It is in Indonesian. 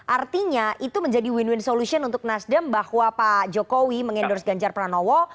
artinya itu menjadi win win solution untuk nasdem bahwa pak jokowi mengendorse ganjar pranowo